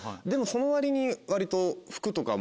でもその割に割と。